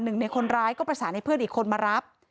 หนึ่งในคนร้ายก็ประสานให้เพื่อนอีกคนมารับ